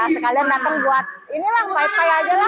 sekalian datang buat ini lah pay pay aja lah